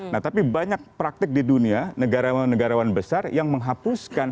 nah tapi banyak praktik di dunia negara negarawan besar yang menghapuskan